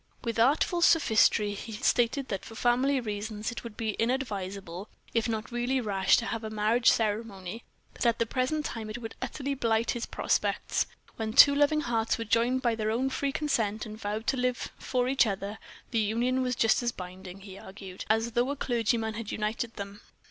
With artful sophistry he stated that for family reasons it would be inadvisable, if not really rash, to have a marriage ceremony that at the present time it would utterly blight his prospects. When two loving hearts were joined by their own free consent, and vowed to live for each other, the union was just as binding, he argued, as though a clergyman had united them.